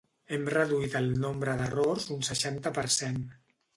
Hem reduït el nombre d'errors un seixanta per cent.